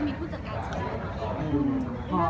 มีผู้จัดการใช้